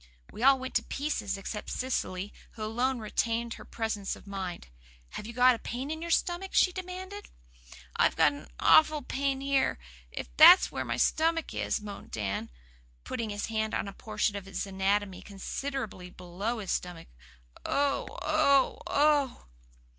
We all went to pieces, except Cecily, who alone retained her presence of mind. "Have you got a pain in your stomach?" she demanded. "I've got an awful pain here, if that's where my stomach is," moaned Dan, putting his hand on a portion of his anatomy considerably below his stomach. "Oh oh oh!"